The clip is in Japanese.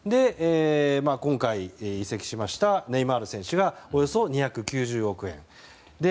今回移籍しましたネイマール選手がおよそ２９０億円。